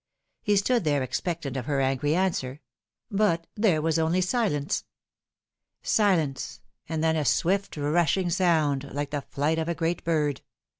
He stood there expectant of her angry answer ; but there was only silence. Silence, and then a swift rushing sound, like the flight of a great bird.